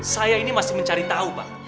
saya ini masih mencari tahu bang